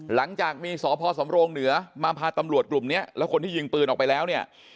หลังจากมีสพสำโรงเหนือมาพาตำรวจกลุ่มเนี้ยแล้วคนที่ยิงปืนออกไปแล้วเนี่ย